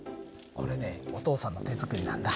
これねお父さんの手作りなんだ。